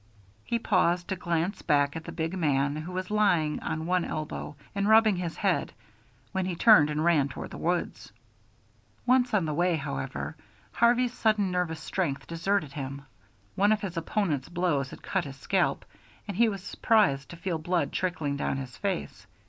He paused to glance back at the big man, who was lying on one elbow and rubbing his head, then he turned and ran toward the woods. Once on the way, however, Harvey's sudden nervous strength deserted him. One of his opponent's blows had cut his scalp, and he was surprised to feel blood trickling down his face.